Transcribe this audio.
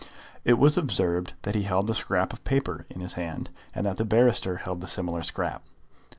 It was observed that he held a scrap of paper in his hand, and that the barrister held a similar scrap.